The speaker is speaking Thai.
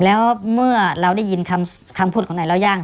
แล้วเมื่อเราได้ยินคำพูดของนายเล่าย่าง